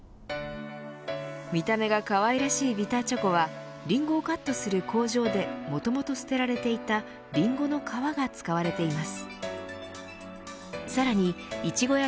見た目がかわいらしいビターチョコはリンゴをカットする工場でもともと捨てられていたリンゴの皮が使われています。